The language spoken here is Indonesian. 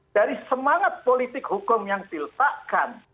dari semangat politik hukum yang diletakkan